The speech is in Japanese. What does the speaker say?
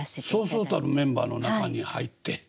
そうそうたるメンバーの中に入って。